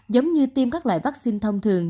giống như tiêm các loại vaccine thông thường